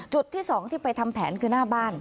จุดที่๒ที่ไปทำแผนคือหน้าบ้าน